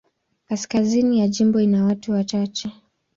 Kaskazini ya jimbo ina watu wachache.